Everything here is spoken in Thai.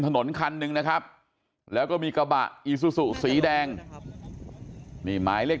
ถนนคันหนึ่งนะครับแล้วก็มีกระบะอีซูซูสีแดงนี่หมายเลข